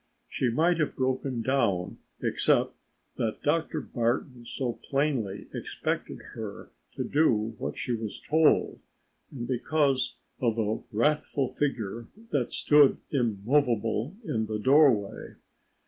She might have broken down except that Dr. Barton so plainly expected her to do what she was told, and because of a wrathful figure that stood immovable in the doorway.